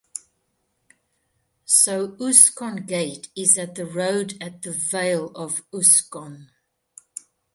So Usc-con gait is at the Road at the vale of Usc-con.